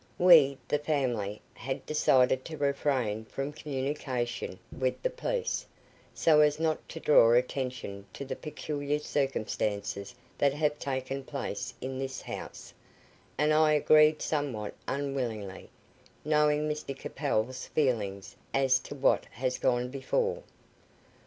"We the family had decided to refrain from communication with the police, so as not to draw attention to the peculiar circumstances that have taken place in this house, and I agreed somewhat unwillingly, knowing Mr Capel's feelings as to what has gone before."